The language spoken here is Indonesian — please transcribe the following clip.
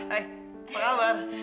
hei apa kabar